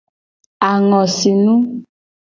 Angosinu.